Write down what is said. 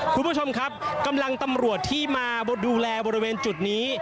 คุณผู้ชมครับกำลังตำรวจที่มาดูแลบริเวณจุดนี้